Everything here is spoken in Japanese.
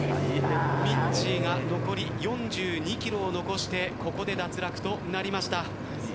みっちーが残り４２キロを残してここで脱落となりました。